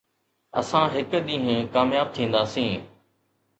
اسان هڪ ڏينهن ڪامياب ٿينداسين